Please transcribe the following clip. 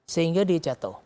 sehingga dia jatuh